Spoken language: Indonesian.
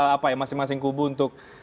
apa ya masing masing kubu untuk